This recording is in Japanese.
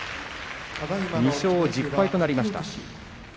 ２勝１０敗となりました。